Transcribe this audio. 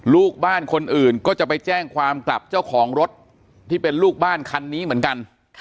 ลูกบ้านคนอื่นก็จะไปแจ้งความกลับเจ้าของรถที่เป็นลูกบ้านคันนี้เหมือนกัน